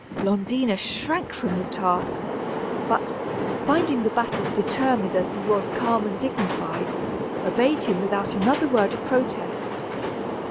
Blondina shrank from the task, but, finding the bat as determined as he was calm and dignified, obeyed him without another word of protest.